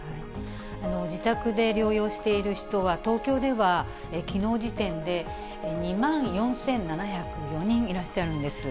自宅で療養している人は、東京では、きのう時点で２万４７０４人いらっしゃるんです。